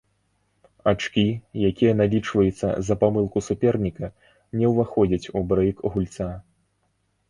Ачкі, якія налічваюцца за памылку суперніка, не ўваходзяць у брэйк гульца.